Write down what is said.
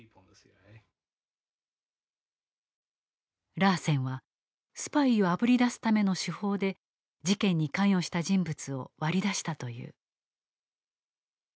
ラーセンはスパイをあぶり出すための手法で事件に関与した人物を割り出したという。